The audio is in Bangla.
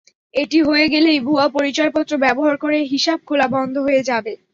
এটি হয়ে গেলেই ভুয়া পরিচয়পত্র ব্যবহার করে হিসাব খোলা বন্ধ হয়ে যাবে।